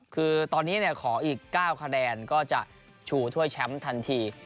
คือตอนนี้ขออีก๙คะแนนก็จะชูถ้วยแชมป์ทันที